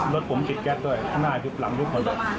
รถผมจิดแก๊สด้วยข้างหน้าคือปล่ำทุกคน